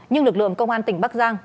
nhưng lực lượng công an tỉnh bắc giang